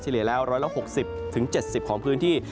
เฉลี่ยแล้วร้อยละ๖๐๗๐ของพื้นที่